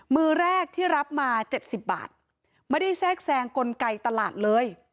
มือแรกที่รับมา๗๐บาทไม่ได้แทรกแซงกลไกตลาดเลย